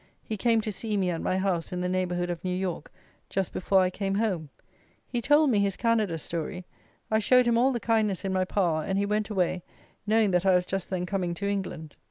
He came to see me, at my house in the neighbourhood of New York, just before I came home. He told me his Canada story. I showed him all the kindness in my power, and he went away, knowing that I was just then coming to England.